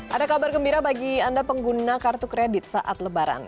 ada kabar gembira bagi anda pengguna kartu kredit saat lebaran